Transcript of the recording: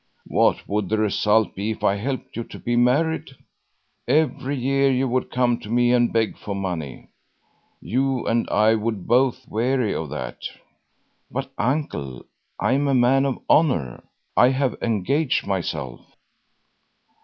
What would the result be if I helped you to be married? Every year you would come to me and beg for money. You and I would both weary of that." "But, uncle, I am a man of honor. I have engaged myself."